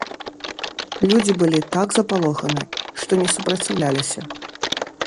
Людзі былі так запалоханы, што не супраціўляліся.